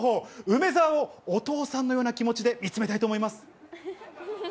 梅澤をお父さんのような気持ちで見つめたいと思います。